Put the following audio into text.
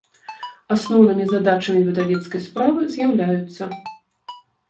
Асноўнымi задачамi выдавецкай справы з’яўляюцца.